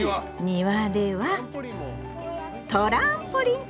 庭ではトランポリン！